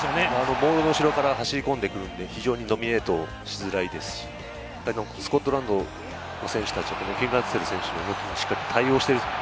モールの後ろから走ってくるんで、ノミネートしづらいですし、スコットランドの選手たち、フィン・ラッセル選手の動きにしっかり対応している。